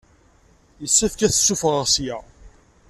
Yessefk ad t-ssuffɣeɣ ssya.